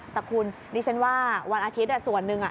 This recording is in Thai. แต่คุณดิฉันว่าวันอาทิตย์ส่วนหนึ่ง